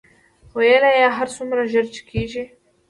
ویل یې هر څومره ژر چې کېږي.